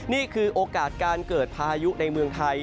นี่คือโอกาสการเกิดพายุในเมืองไทย